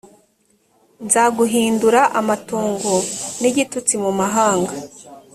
nzaguhindura amatongo n igitutsi mu mahanga